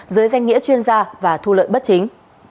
dưới danh nghĩa chuyên gia và thu lợi bất chính